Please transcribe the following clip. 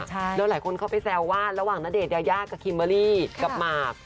แล้วหลายคนเข้าไปแซวว่าระหว่างณเดชนยายากับคิมเบอร์รี่กับหมาก